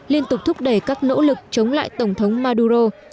liên tục thúc đẩy các nỗ lực chống lại tổng thống maduro